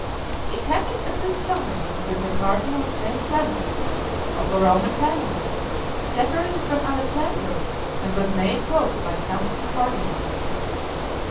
It happened at this time that the cardinal St. Clement, of a Roman family, separated from Alexander, and was made pope by some of the cardinals.